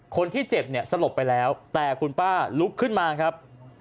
คนที่เจ็บเนี่ยสลบไปแล้วแต่คุณป้าลุกขึ้นมาครับ